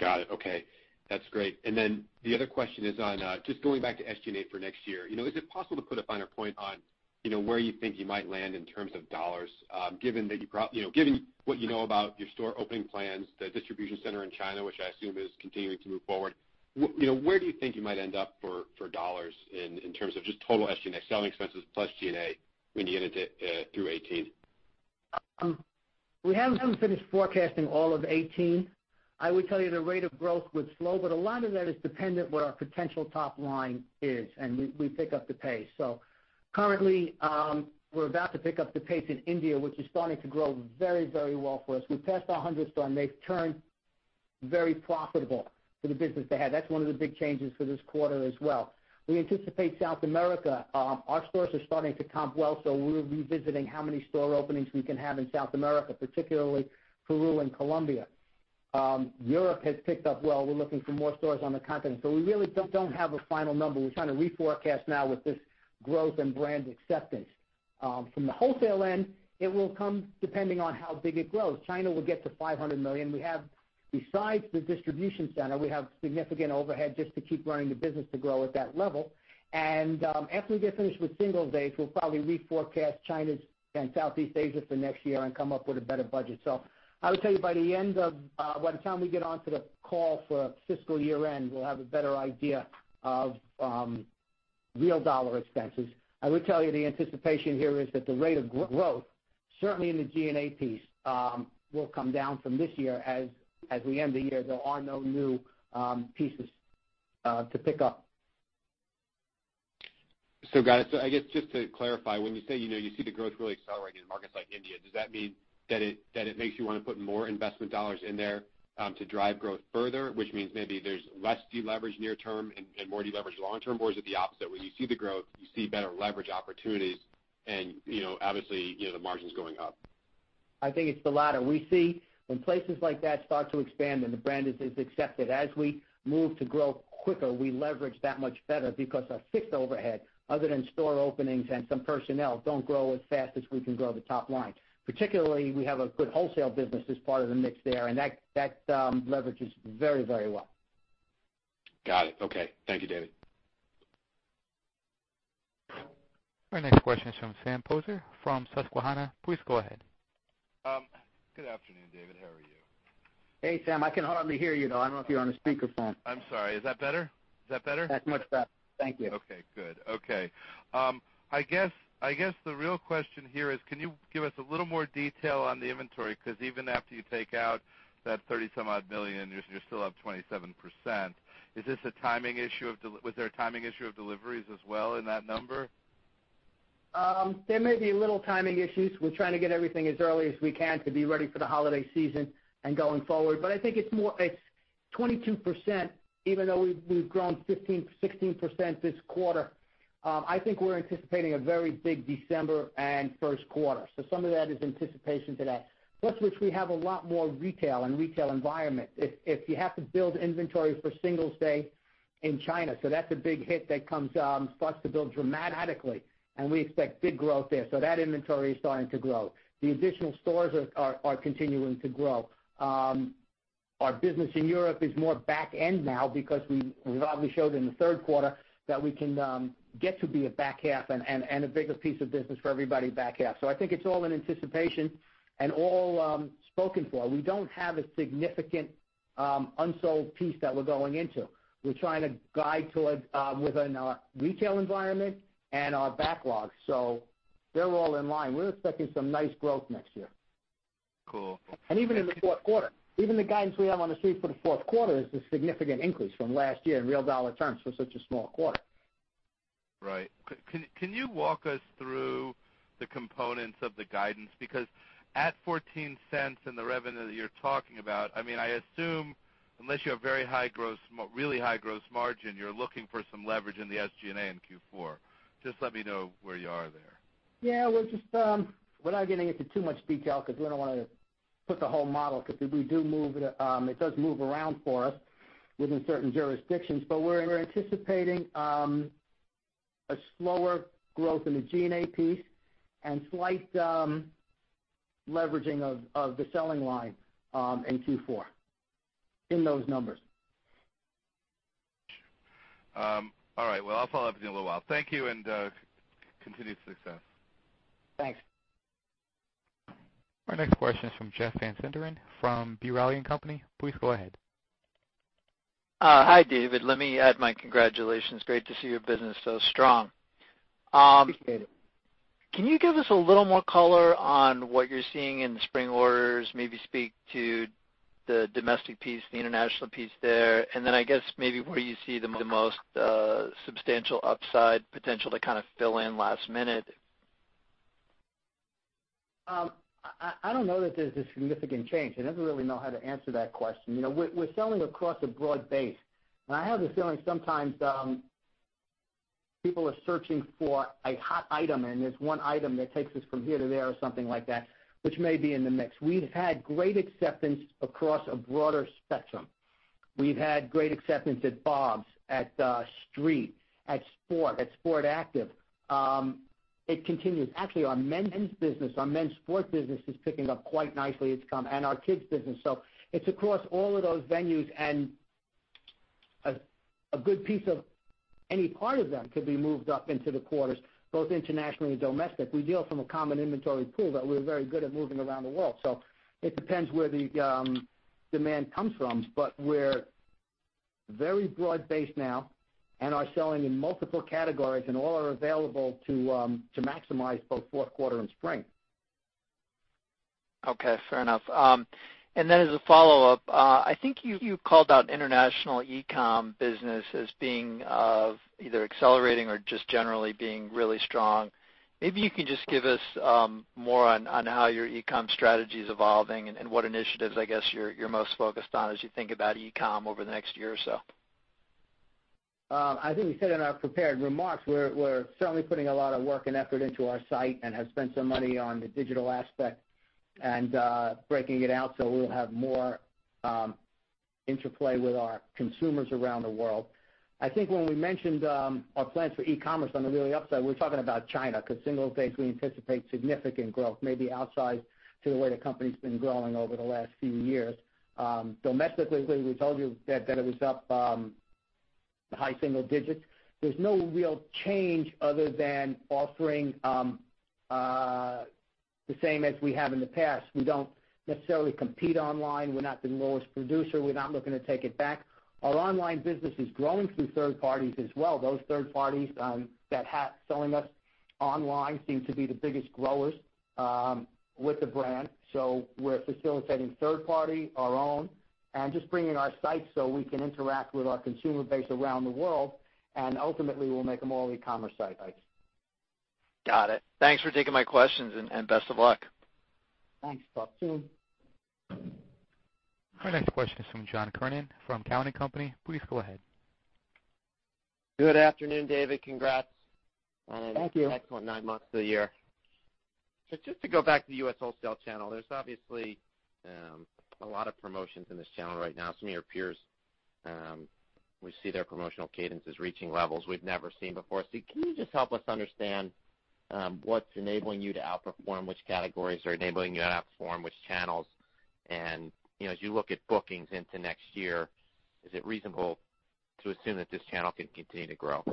Got it. Okay. That's great. Then the other question is on just going back to SG&A for next year. Is it possible to put a finer point on where you think you might land in terms of dollars? Given what you know about your store opening plans, the distribution center in China, which I assume is continuing to move forward, where do you think you might end up for dollars in terms of just total SG&A, selling expenses plus G&A when you get it through 2018? We haven't finished forecasting all of 2018. I would tell you the rate of growth would slow, but a lot of that is dependent what our potential top line is, and we pick up the pace. Currently, we're about to pick up the pace in India, which is starting to grow very well for us. We passed our hundredth store, and they've turned very profitable for the business they had. That's one of the big changes for this quarter as well. We anticipate South America, our stores are starting to comp well, so we're revisiting how many store openings we can have in South America, particularly Peru and Colombia. Europe has picked up well. We're looking for more stores on the continent. We really don't have a final number. We're trying to reforecast now with this growth and brand acceptance. From the wholesale end, it will come depending on how big it grows. China will get to $500 million. Besides the distribution center, we have significant overhead just to keep running the business to grow at that level. After we get finished with Singles Day, we'll probably reforecast China and Southeast Asia for next year and come up with a better budget. I would tell you by the time we get onto the call for fiscal year-end, we'll have a better idea of real dollar expenses. I will tell you the anticipation here is that the rate of growth, certainly in the G&A piece, will come down from this year as we end the year. There are no new pieces to pick up. Got it. I guess, just to clarify, when you say you see the growth really accelerating in markets like India, does that mean that it makes you want to put more investment dollars in there to drive growth further, which means maybe there's less deleverage near term and more deleverage long term? Or is it the opposite? When you see the growth, you see better leverage opportunities, and obviously, the margins going up. I think it's the latter. We see when places like that start to expand and the brand is accepted, as we move to grow quicker, we leverage that much better because our fixed overhead, other than store openings and some personnel, don't grow as fast as we can grow the top line. Particularly, we have a good wholesale business as part of the mix there, and that leverages very, very well. Got it. Okay. Thank you, David. Our next question is from Sam Poser from Susquehanna. Please go ahead. Good afternoon, David. How are you? Hey, Sam. I can hardly hear you, though. I don't know if you're on a speakerphone. I'm sorry. Is that better? Is that better? That's much better. Thank you. Okay, good. Okay. I guess, the real question here is, can you give us a little more detail on the inventory? Even after you take out that $30-some-odd million, you're still up 27%. Was there a timing issue of deliveries as well in that number? There may be little timing issues. We're trying to get everything as early as we can to be ready for the holiday season and going forward. I think it's 22%, even though we've grown 15, 16% this quarter. I think we're anticipating a very big December and first quarter. Some of that is anticipation to that. Plus, which we have a lot more retail and retail environment. If you have to build inventory for Singles Day in China. That's a big hit that starts to build dramatically, and we expect big growth there. That inventory is starting to grow. The additional stores are continuing to grow. Our business in Europe is more back end now because we've obviously showed in the third quarter that we can get to be a back half and a bigger piece of business for everybody back half. I think it's all in anticipation and all spoken for. We don't have a significant unsold piece that we're going into. We're trying to guide towards within our retail environment and our backlogs. They're all in line. We're expecting some nice growth next year. Cool. Even in the fourth quarter. Even the guidance we have on the Street for the fourth quarter is a significant increase from last year in real dollar terms for such a small quarter. Right. Can you walk us through the components of the guidance? At $0.14 in the revenue that you're talking about, I assume, unless you have really high gross margin, you're looking for some leverage in the SG&A in Q4. Just let me know where you are there. Yeah. Without getting into too much detail because we don't want to put the whole model, because it does move around for us within certain jurisdictions, but we're anticipating a slower growth in the G&A piece and slight leveraging of the selling line in Q4 in those numbers. All right. Well, I'll follow up with you in a little while. Thank you, and continued success. Thanks. Our next question is from Jeff Van Sinderen from B. Riley & Co. Please go ahead. Hi, David. Let me add my congratulations. Great to see your business so strong. Appreciate it. Can you give us a little more color on what you're seeing in the spring orders? Maybe speak to the domestic piece, the international piece there, then I guess maybe where you see the most substantial upside potential to kind of fill in last minute. I don't know that there's a significant change. I never really know how to answer that question. We're selling across a broad base. I have this feeling sometimes people are searching for a hot item, and there's one item that takes us from here to there or something like that, which may be in the mix. We've had great acceptance across a broader spectrum. We've had great acceptance at BOBS, at Street, at Sport, at Sport Active. It continues. Actually, our men's business, our men's sport business is picking up quite nicely. It's come. Our kids business, so it's across all of those venues, and a good piece of any part of them could be moved up into the quarters, both internationally and domestic. We deal from a common inventory pool, but we're very good at moving around the world. It depends where the demand comes from, we're very broad-based now and are selling in multiple categories, all are available to maximize both fourth quarter and spring. Okay, fair enough. As a follow-up, I think you called out international e-com business as being either accelerating or just generally being really strong. Maybe you can just give us more on how your e-com strategy is evolving and what initiatives, I guess, you're most focused on as you think about e-com over the next year or so. I think we said in our prepared remarks, we're certainly putting a lot of work and effort into our site and have spent some money on the digital aspect and breaking it out so we'll have more interplay with our consumers around the world. I think when we mentioned our plans for e-commerce on the really upside, we're talking about China, because Singles Day, we anticipate significant growth, maybe outside to the way the company's been growing over the last few years. Domestically, we told you that it was up high single digits. There's no real change other than offering the same as we have in the past. We don't necessarily compete online. We're not the lowest producer. We're not looking to take it back. Our online business is growing through third parties as well. Those third parties that have selling us online seem to be the biggest growers with the brand. We're facilitating third party, our own, and just bringing our sites so we can interact with our consumer base around the world, and ultimately, we'll make them all e-commerce sites. Got it. Thanks for taking my questions, and best of luck. Thanks, talk soon. Our next question is from John Kernan from Cowen Company. Please go ahead. Good afternoon, David. Congrats. Thank you. An excellent nine months of the year. Just to go back to the U.S. wholesale channel, there's obviously a lot of promotions in this channel right now. Some of your peers, we see their promotional cadences reaching levels we've never seen before. Can you just help us understand what's enabling you to outperform, which categories are enabling you to outperform which channels? As you look at bookings into next year, is it reasonable to assume that this channel can continue to grow?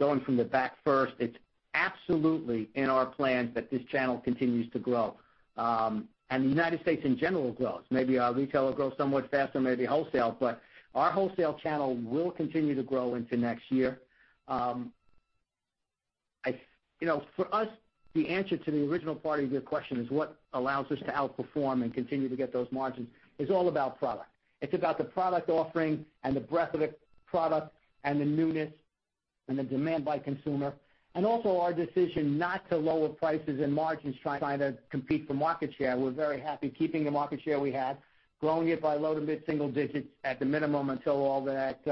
Going from the back first, it's absolutely in our plans that this channel continues to grow. The United States in general grows. Maybe our retailer grows somewhat faster than maybe wholesale, our wholesale channel will continue to grow into next year. For us, the answer to the original part of your question is what allows us to outperform and continue to get those margins is all about product. It's about the product offering and the breadth of the product and the newness and the demand by consumer. Also our decision not to lower prices and margins, trying to compete for market share. We're very happy keeping the market share we have, growing it by low to mid-single digits at the minimum until all that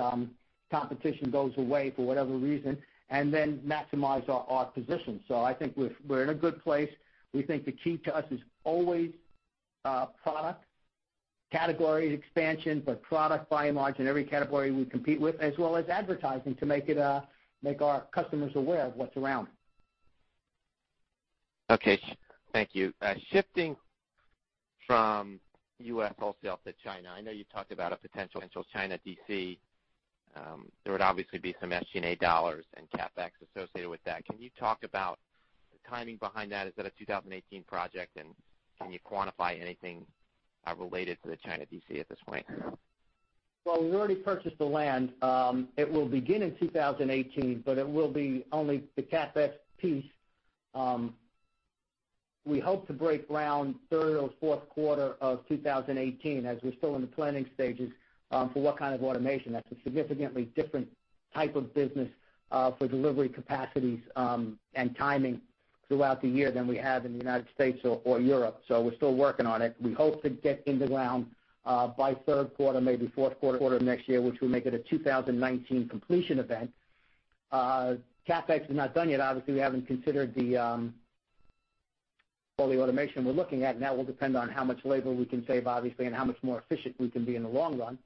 competition goes away for whatever reason, and then maximize our position. I think we're in a good place. We think the key to us is always product, category expansion, product by and large in every category we compete with, as well as advertising to make our customers aware of what's around. Okay. Thank you. Shifting from U.S. wholesale to China. I know you talked about a potential China DC. There would obviously be some SG&A dollars and CapEx associated with that. Can you talk about the timing behind that? Is that a 2018 project, can you quantify anything related to the China DC at this point? Well, we already purchased the land. It will begin in 2018, it will be only the CapEx piece. We hope to break ground third or fourth quarter of 2018, as we're still in the planning stages for what kind of automation. That's a significantly different type of business for delivery capacities and timing throughout the year than we have in the U.S. or Europe. We're still working on it. We hope to get into ground by third quarter, maybe fourth quarter of next year, which will make it a 2019 completion event. CapEx is not done yet. Obviously, we haven't considered all the automation we're looking at. That will depend on how much labor we can save, obviously, and how much more efficient we can be in the long run.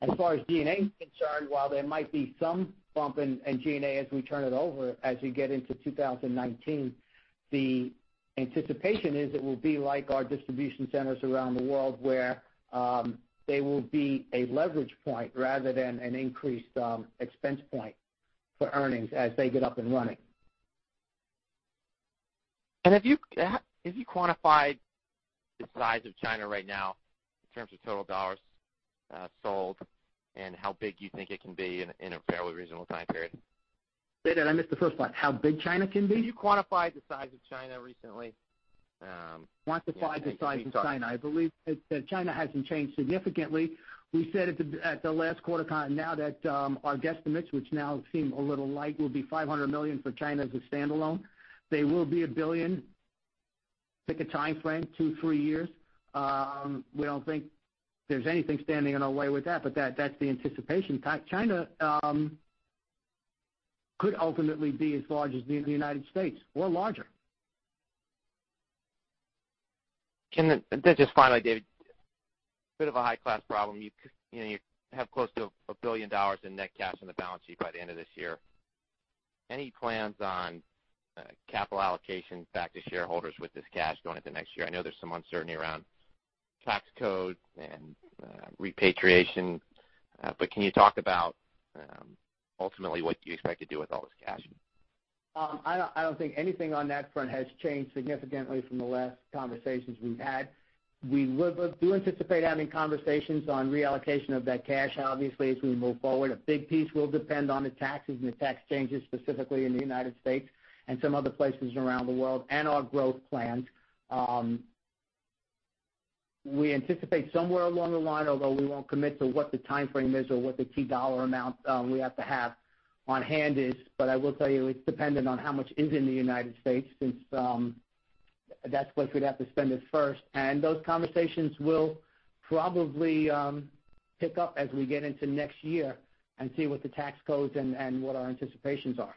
As far as G&A is concerned, while there might be some bump in G&A as we turn it over, as we get into 2019, the anticipation is it will be like our distribution centers around the world, where they will be a leverage point rather than an increased expense point for earnings as they get up and running. Have you quantified the size of China right now in terms of total dollars sold and how big you think it can be in a fairly reasonable time period? Say that, I missed the first part. How big China can be? Have you quantified the size of China recently? Quantified the size of China. I believe that China hasn't changed significantly. We said at the last quarter now that our guesstimates, which now seem a little light, will be $500 million for China as a standalone. They will be $1 billion. Pick a timeframe, two, three years. We don't think there's anything standing in our way with that, but that's the anticipation. China could ultimately be as large as the United States or larger. David, bit of a high-class problem. You have close to $1 billion in net cash on the balance sheet by the end of this year. Any plans on capital allocation back to shareholders with this cash going into next year? I know there's some uncertainty around tax code and repatriation. Can you talk about ultimately what you expect to do with all this cash? I don't think anything on that front has changed significantly from the last conversations we've had. We do anticipate having conversations on reallocation of that cash, obviously, as we move forward. A big piece will depend on the taxes and the tax changes specifically in the U.S. and some other places around the world, and our growth plans. We anticipate somewhere along the line, although we won't commit to what the timeframe is or what the key dollar amount we have to have on hand is. I will tell you, it's dependent on how much is in the U.S., since that's where we'd have to spend it first. Those conversations will probably pick up as we get into next year and see what the tax codes and what our anticipations are.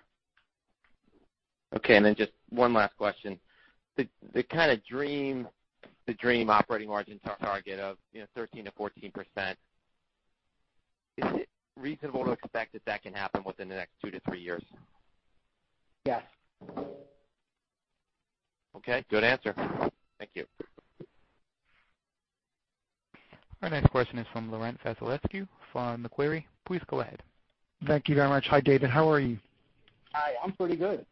Okay, just one last question. The kind of dream operating margin target of 13%-14%, is it reasonable to expect that that can happen within the next two to three years? Yes. Okay, good answer. Thank you. Our next question is from Laurent Vasilescu from Macquarie. Please go ahead. Thank you very much. Hi, David. How are you? Hi. I'm pretty good.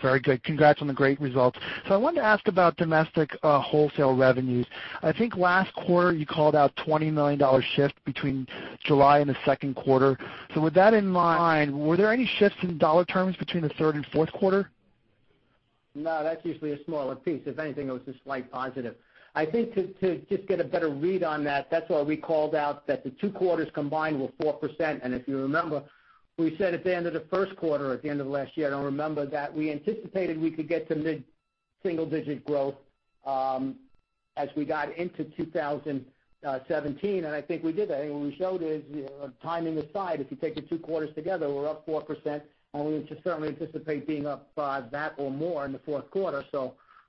Very good. Congrats on the great results. I wanted to ask about domestic wholesale revenues. I think last quarter you called out $20 million shift between July and the second quarter. With that in mind, were there any shifts in dollar terms between the third and fourth quarter? No, that's usually a smaller piece. If anything, it was a slight positive. I think to just get a better read on that's why we called out that the two quarters combined were 4%. If you remember, we said at the end of the first quarter, at the end of last year, I don't remember, that we anticipated we could get to mid-single digit growth, as we got into 2017, and I think we did that. What we showed is, timing aside, if you take the two quarters together, we're up 4%, and we certainly anticipate being up by that or more in the fourth quarter.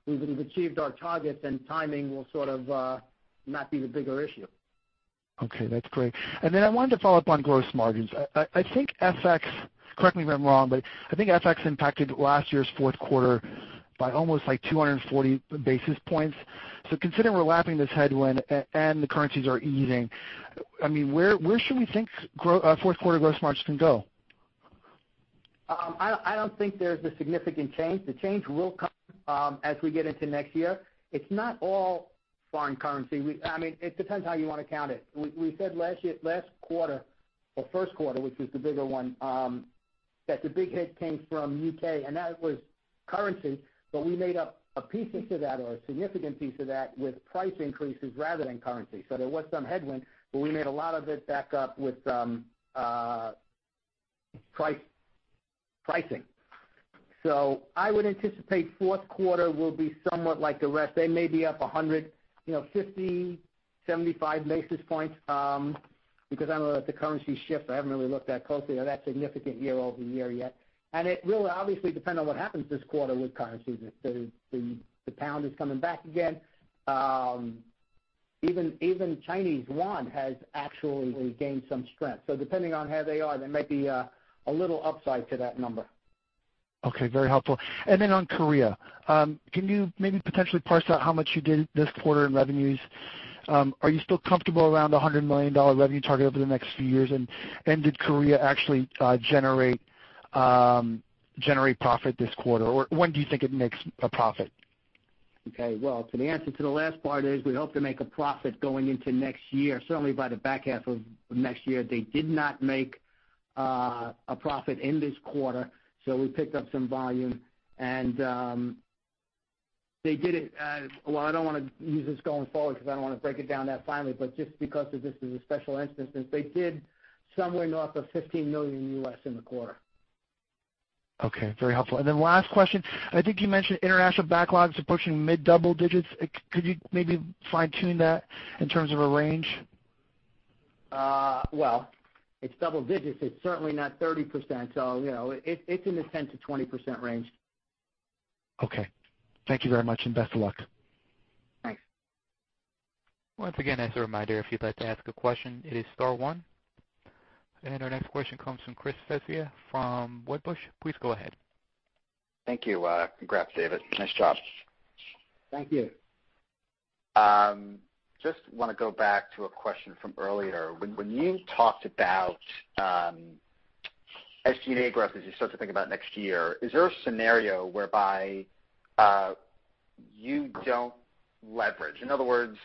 We've achieved our targets, and timing will sort of not be the bigger issue. Okay, that's great. I wanted to follow up on gross margins. I think FX, correct me if I'm wrong, but I think FX impacted last year's fourth quarter by almost 240 basis points. Considering we're lapping this headwind and the currencies are easing, where should we think fourth quarter gross margins can go? I don't think there's a significant change. The change will come as we get into next year. It's not all foreign currency. It depends on how you want to count it. We said last quarter or first quarter, which was the bigger one, that the big hit came from U.K., and that was currency, but we made up a piece of that or a significant piece of that with price increases rather than currency. There was some headwind, but we made a lot of it back up with pricing. I would anticipate fourth quarter will be somewhat like the rest. They may be up 150, 75 basis points, because I don't know that the currency shift, I haven't really looked that closely on that significant year-over-year yet. It will obviously depend on what happens this quarter with currencies. The pound is coming back again. Even Chinese yuan has actually gained some strength. Depending on how they are, there might be a little upside to that number. Okay. Very helpful. Then on Korea, can you maybe potentially parse out how much you did this quarter in revenues? Are you still comfortable around the $100 million revenue target over the next few years? Did Korea actually generate profit this quarter, or when do you think it makes a profit? Okay. Well, the answer to the last part is we hope to make a profit going into next year, certainly by the back half of next year. They did not make a profit in this quarter. We picked up some volume. Well, I don't want to use this going forward because I don't want to break it down that finely, but just because this is a special instance, they did somewhere north of $15 million in the quarter. Okay. Very helpful. Then last question. I think you mentioned international backlogs approaching mid-double digits. Could you maybe fine-tune that in terms of a range? Well, it's double digits. It's certainly not 30%. It's in the 10%-20% range. Okay. Thank you very much, and best of luck. Thanks. Once again, as a reminder, if you'd like to ask a question, it is star one. Our next question comes from Chris Svezia from Wedbush. Please go ahead. Thank you. Congrats, David. Nice job. Thank you. Just want to go back to a question from earlier. When you talked about SG&A growth as you start to think about next year, is there a scenario whereby you don't leverage? In other words,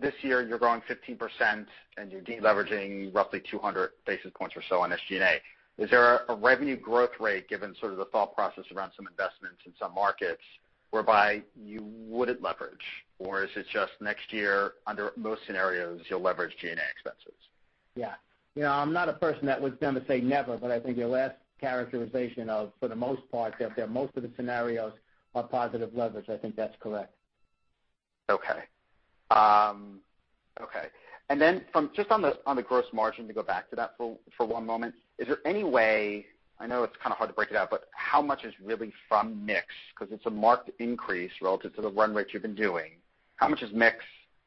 this year you're growing 15% and you're de-leveraging roughly 200 basis points or so on SG&A. Is there a revenue growth rate given sort of the thought process around some investments in some markets whereby you wouldn't leverage? Is it just next year, under most scenarios, you'll leverage G&A expenses? Yeah. I'm not a person that was going to say never, but I think your last characterization of, for the most part, that most of the scenarios are positive leverage. I think that's correct. Okay. Just on the gross margin, to go back to that for one moment. Is there any way, I know it's kind of hard to break it out, but how much is really from mix? Because it's a marked increase relative to the run rate you've been doing. How much is mix?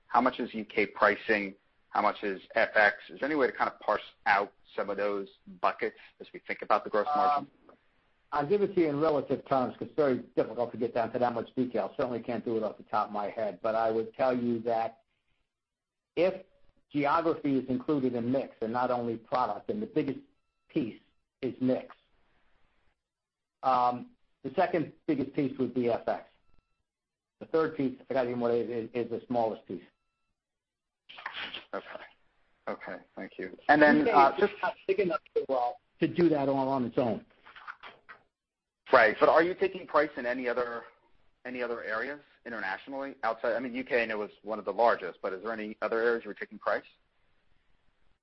How much is U.K. pricing? How much is FX? Is there any way to kind of parse out some of those buckets as we think about the gross margin? I'll give it to you in relative terms because it's very difficult to get down to that much detail. Certainly can't do it off the top of my head. I would tell you that if geography is included in mix and not only product, then the biggest piece is mix. The second biggest piece would be FX. The third piece, I forgot even what it is the smallest piece. Okay. Thank you. U.K. is just not big enough as well to do that all on its own. Right. Are you taking price in any other areas internationally? Outside, I mean, U.K. I know was one of the largest, but is there any other areas you're taking price?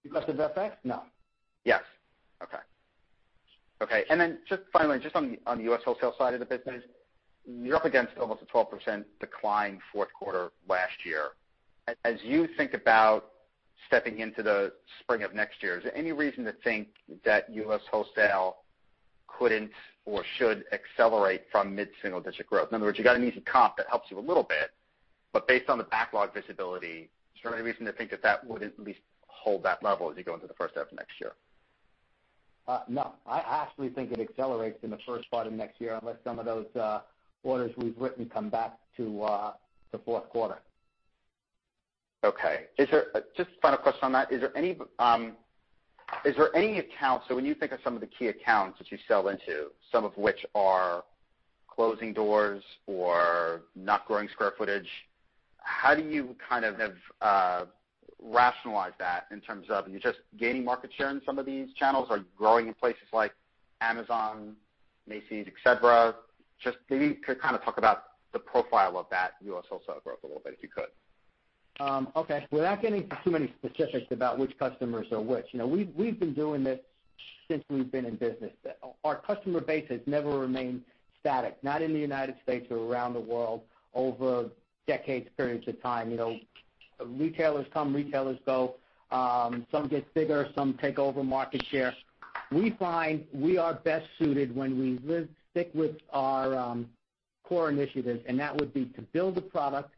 You're asking about FX? No. Yes. Okay. Just finally, just on the U.S. wholesale side of the business, you're up against almost a 12% decline fourth quarter last year. As you think about stepping into the spring of next year, is there any reason to think that U.S. wholesale couldn't or should accelerate from mid-single digit growth? In other words, you got an easy comp that helps you a little bit, based on the backlog visibility, is there any reason to think that that would at least hold that level as you go into the first half of next year? No, I actually think it accelerates in the first part of next year, unless some of those orders we've written come back to the fourth quarter. Okay. Just a final question on that. When you think of some of the key accounts that you sell into, some of which are closing doors or not growing square footage, how do you kind of rationalize that in terms of, are you just gaining market share in some of these channels? Are you growing in places like Amazon, Macy's, et cetera? Just maybe you could kind of talk about the profile of that U.S. wholesale growth a little bit, if you could. Okay. Without getting into too many specifics about which customers are which, we've been doing this since we've been in business. Our customer base has never remained static, not in the United States or around the world, over decades' periods of time. Retailers come, retailers go. Some get bigger, some take over market share. We find we are best suited when we stick with our core initiatives, that would be to build a product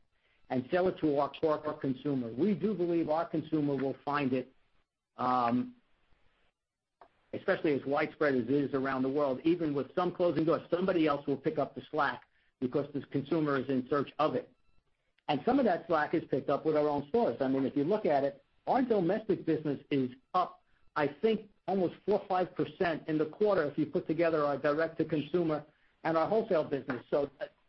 and sell it to our core consumer. We do believe our consumer will find it, especially as widespread as it is around the world. Even with some closing doors, somebody else will pick up the slack because this consumer is in search of it. Some of that slack is picked up with our own stores. If you look at it, our domestic business is up, I think, almost 4%, 5% in the quarter if you put together our direct-to-consumer and our wholesale business.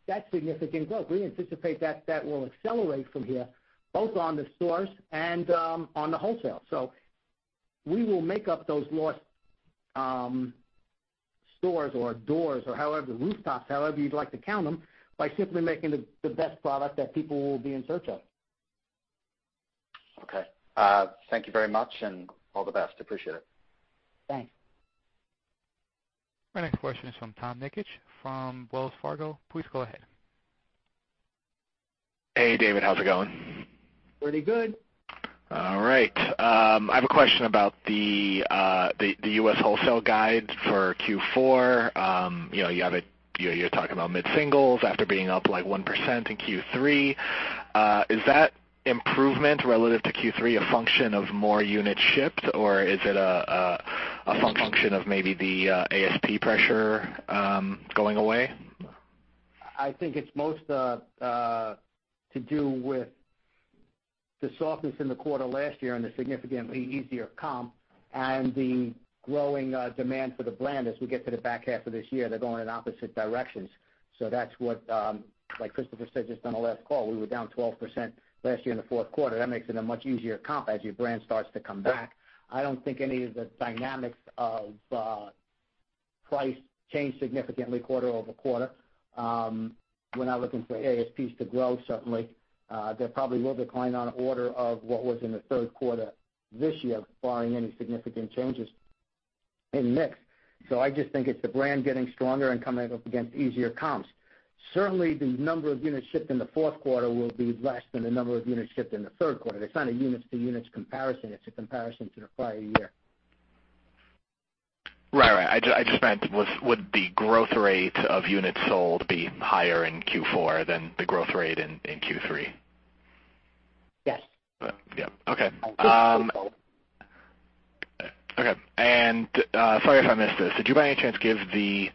That's significant growth. We anticipate that will accelerate from here, both on the stores and on the wholesale. We will make up those lost stores or doors or rooftops, however you'd like to count them, by simply making the best product that people will be in search of. Okay. Thank you very much, and all the best. Appreciate it. Thanks. Our next question is from Tom Nikic from Wells Fargo. Please go ahead. Hey, David. How's it going? Pretty good. All right. I have a question about the U.S. wholesale guide for Q4. You're talking about mid-singles after being up, like, 1% in Q3. Is that improvement relative to Q3 a function of more units shipped, or is it a function of maybe the ASP pressure going away? I think it's most to do with the softness in the quarter last year and the significantly easier comp and the growing demand for the brand as we get to the back half of this year. They're going in opposite directions. That's what, like Christopher said just on the last call, we were down 12% last year in the fourth quarter. That makes it a much easier comp as your brand starts to come back. I don't think any of the dynamics of price change significantly quarter-over-quarter. We're not looking for ASPs to grow, certainly. They probably will decline on order of what was in the third quarter this year, barring any significant changes in mix. I just think it's the brand getting stronger and coming up against easier comps. Certainly, the number of units shipped in the fourth quarter will be less than the number of units shipped in the third quarter. It's not a units-to-units comparison, it's a comparison to the prior year. Right. I just meant, would the growth rate of units sold be higher in Q4 than the growth rate in Q3? Yes. Yeah. Okay. At this control. Okay. Sorry if I missed this. Did you by any chance give the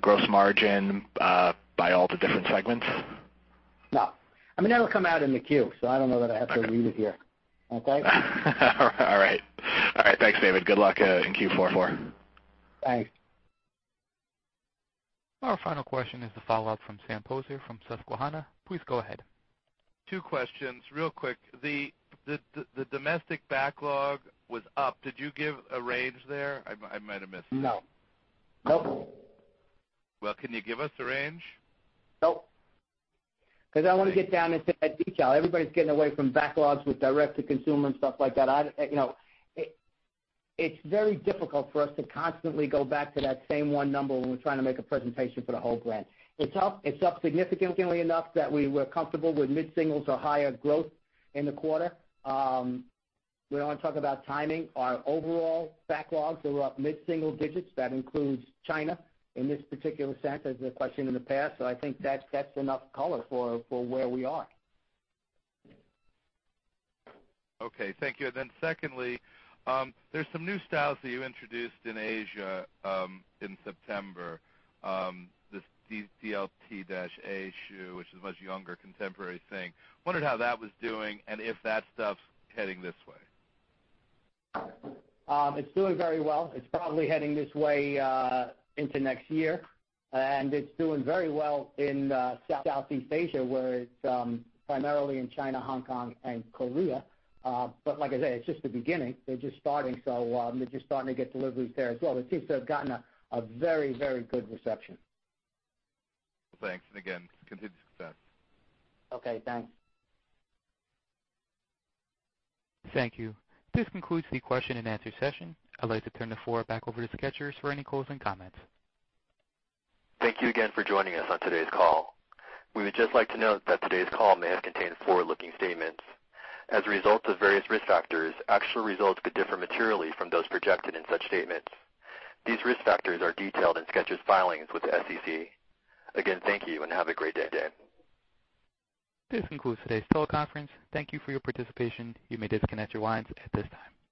gross margin by all the different segments? No. That'll come out in the Q. I don't know that I have to read it here. Okay? All right. Thanks, David. Good luck in Q4. Thanks. Our final question is the follow-up from Sam Poser from Susquehanna. Please go ahead. Two questions real quick. The domestic backlog was up. Did you give a range there? I might have missed it. No. Nope. Can you give us a range? Nope, because I don't want to get down into that detail. Everybody's getting away from backlogs with direct to consumer and stuff like that. It's very difficult for us to constantly go back to that same one number when we're trying to make a presentation for the whole brand. It's up significantly enough that we were comfortable with mid-singles or higher growth in the quarter. We don't want to talk about timing. Our overall backlogs were up mid-single digits. That includes China in this particular sense, as a question in the past. I think that's enough color for where we are. Okay. Thank you. Secondly, there's some new styles that you introduced in Asia, in September. This DLT-A shoe, which is a much younger contemporary thing. Wondered how that was doing, and if that stuff's heading this way. It's doing very well. It's probably heading this way into next year. It's doing very well in Southeast Asia, where it's primarily in China, Hong Kong, and Korea. Like I say, it's just the beginning. They're just starting. They're just starting to get deliveries there as well, seems to have gotten a very good reception. Thanks, and again, continued success. Okay, thanks. Thank you. This concludes the question and answer session. I'd like to turn the floor back over to Skechers for any closing comments. Thank you again for joining us on today's call. We would just like to note that today's call may have contained forward-looking statements. As a result of various risk factors, actual results could differ materially from those projected in such statements. These risk factors are detailed in Skechers' filings with the SEC. Again, thank you, and have a great day. This concludes today's teleconference. Thank you for your participation. You may disconnect your lines at this time.